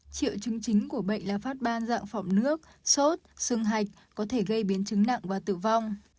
triệu chứng chính của bệnh là phát ban dạng nước sốt sưng hạch có thể gây biến chứng nặng và tử vong